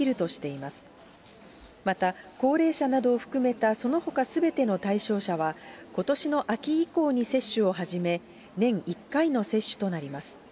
また、高齢者などを含めたそのほかすべての対象者は、ことしの秋以降に接種を始め、年１回の接種となります。